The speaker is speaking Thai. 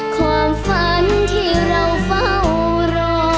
ความฝันที่เราเฝ้ารอ